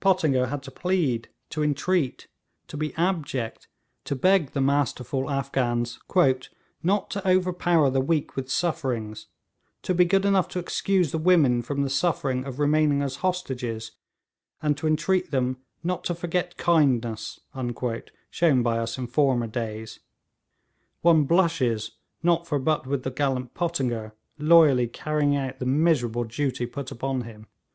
Pottinger had to plead, to entreat, to be abject; to beg the masterful Afghans 'not to overpower the weak with sufferings'; 'to be good enough to excuse the women from the suffering' of remaining as hostages; and to entreat them 'not to forget kindness' shown by us in former days. One blushes not for but with the gallant Pottinger, loyally carrying out the miserable duty put upon him.